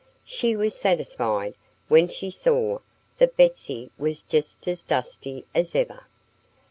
She was satisfied when she saw that Betsy was just as dusty as ever.